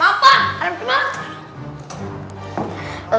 haram apa haram gimana